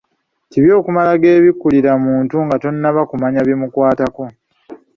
Kibi okumala geebikkulira muntu nga tonnaba kumanya bimukwatako.